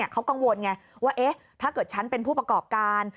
เขากังวลไงว่าถ้าเกิดฉันเป็นผู้ประกอบการ